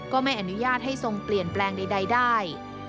ก็ไม่อนุญาตให้ทรงเปลี่ยนแปลงใดได้